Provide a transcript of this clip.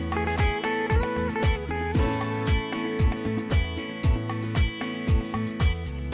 โปรดติดตามตอนต่อไป